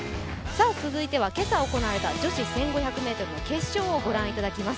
続いて今朝行われた女子１５００ｍ決勝をご覧いただきます。